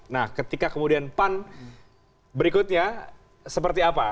nah ketika kemudian pan berikutnya seperti apa